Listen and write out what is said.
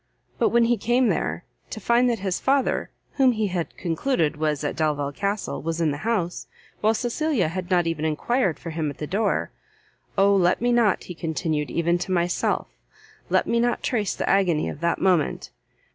But when he came there, to find that his father, whom he had concluded was at Delvile Castle, was in the house, while Cecilia had not even enquired for him at the door, "Oh let me not," he continued, "even to myself, let me not trace the agony of that moment!